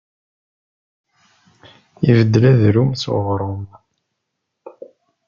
Ibeddel ardum s uɣrum.